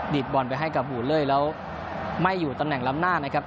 บอลไปให้กับบูเล่แล้วไม่อยู่ตำแหน่งล้ำหน้านะครับ